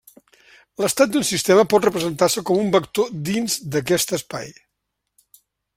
L'estat d'un sistema pot representar-se com un vector dins d'aquest espai.